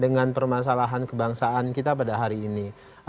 dengan permasalahan kebangsaan kita pada hari ini